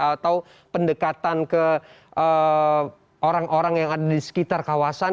atau pendekatan ke orang orang yang ada di sekitar kawasan